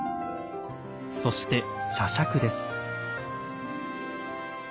そして茶杓です。